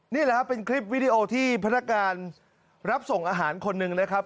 นี่แหละครับเป็นคลิปวิดีโอที่พนักงานรับส่งอาหารคนหนึ่งนะครับ